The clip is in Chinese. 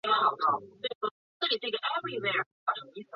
洛蒙诺索夫站是圣彼得堡地铁的一个车站。